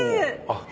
あっ。